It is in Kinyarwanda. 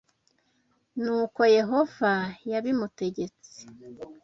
Ni uko Yehova yabimutegetse